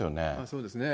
そうですね。